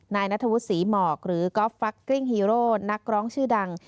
นายนัทวุฒิศรีหมอกหรือก๊อฟฟักกริ้งฮีโร่นักร้องชื่อดัง